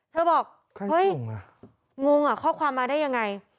เธอบอกเฮ้ยงงอ่ะข้อความมาได้ยังไง